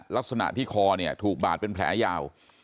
ลักษณะที่คอเนี่ยถูกบาดเป็นแผลยาว